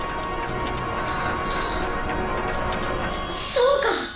そうか！